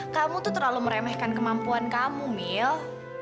kamu tuh terlalu meremehkan kemampuan kamu mil